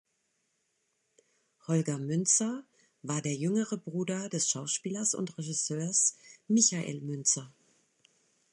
Holger Münzer war der jüngere Bruder des Schauspielers und Regisseurs Michael Münzer.